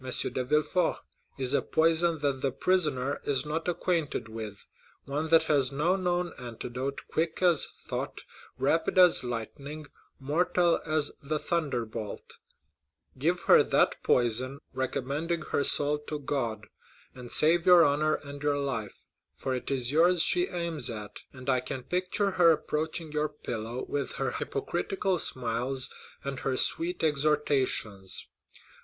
de Villefort, is a poison that the prisoner is not acquainted with,—one that has no known antidote, quick as thought, rapid as lightning, mortal as the thunderbolt; give her that poison, recommending her soul to God, and save your honor and your life, for it is yours she aims at; and I can picture her approaching your pillow with her hypocritical smiles and her sweet exhortations.